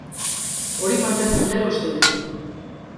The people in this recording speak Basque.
Hori mantentzen dela uste dut.